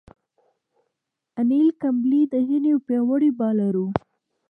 انیل کمبلې د هند یو پياوړی بالر وو.